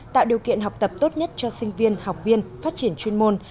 tạo điều kiện học tập tốt nhất cho sinh viên học viên phát triển chuyên môn